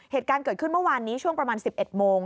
เหตุการณ์เกิดขึ้นเมื่อวานนี้ช่วงประมาณ๑๑โมง